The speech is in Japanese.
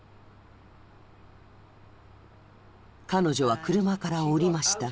彼女は車から降りました。